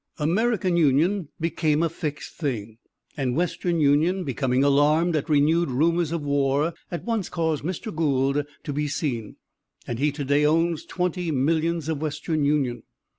American Union became a fixed thing, and Western Union becoming alarmed at renewed rumors of war, at once caused Mr. Gould to be seen, and he to day owns twenty millions of Western Union.